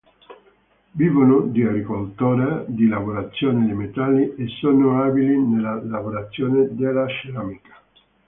Vivono di agricoltura, di lavorazione dei metalli e sono abili nella lavorazione della ceramica.